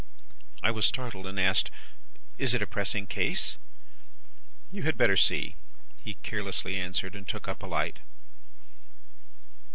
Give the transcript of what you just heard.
"I was startled, and asked, 'Is it a pressing case?' "'You had better see,' he carelessly answered; and took up a light.